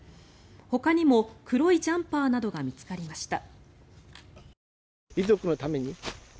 ほかにも黒いジャンパなどが見つかりました。